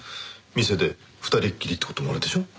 店で二人っきりって事もあるでしょう？